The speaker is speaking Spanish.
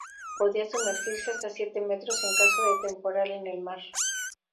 Podía sumergirse hasta siete metros en caso de temporal en el mar.